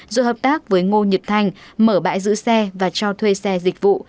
do hợp tác với ngôi nhật thanh mở bãi giữ xe và cho thuê xe dịch vụ